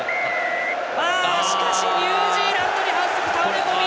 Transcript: しかし、ニュージーランドに反則倒れ込み！